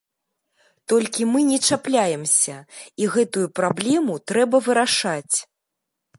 Толькі мы не чапляемся, і гэтую праблему трэба вырашаць.